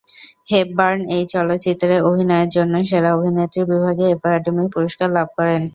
Hepburn এই চলচ্চিত্রে অভিনয়ের জন্যে সেরা অভিনেত্রী বিভাগে একাডেমি পুরস্কার লাভ করেন।